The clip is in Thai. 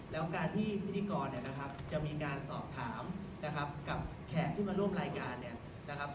แล้วการที่พิธีกรจะมีการสอบถามกับแขกที่มาร่วมรายการ